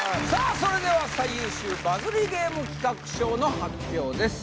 それでは最優秀バズりゲーム企画賞の発表です